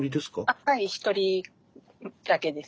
あっはい１人だけです。